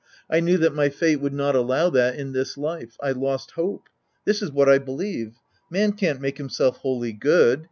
I knew that my fate would not allow that in this life. I lost hope. This is what I believe. Man can't make himself wholly good.